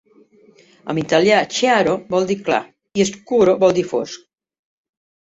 En italià, "chiaro" vol dir clar i "scuro" vol dir fosc.